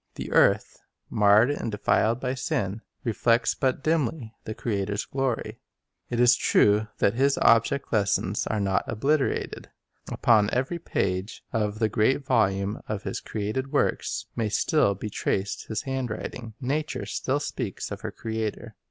The earth, marred and denied by sin, reflects but dimly the Creator's glory. It is true that His object lessons are not obliterated. Upon every page of the great volume of His created works may still be traced His handwriting. Nature still speaks of her Creator.